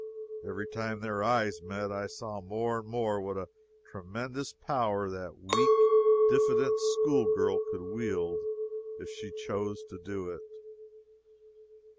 Every time their eyes met, I saw more and more what a tremendous power that weak, diffident school girl could wield if she chose to do it.